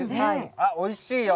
あっおいしいよ。